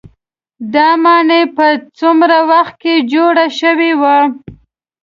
دا ماڼۍ په څومره وخت کې جوړې شوې وي.